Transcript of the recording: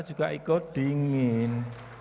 juga ikut dingin